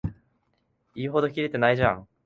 言うほどキレてないじゃん